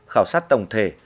khảo sát tổng thể